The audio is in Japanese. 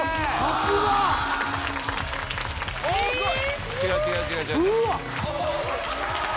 すごい！